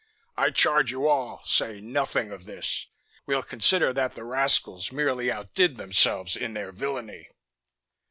I charge you all: say nothing of this! We'll consider that the rascals merely outdid themselves in their villainy."